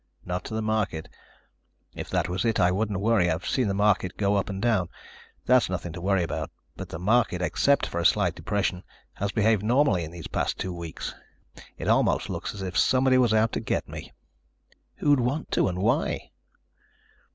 "Not to the market. If that was it, I wouldn't worry. I've seen the market go up and down. That's nothing to worry about. But the market, except for a slight depression, has behaved normally in these past two weeks. It almost looks as if somebody was out to get me." "Who'd want to and why?"